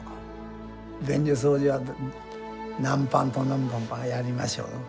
便所掃除は何班と何班がやりましょう。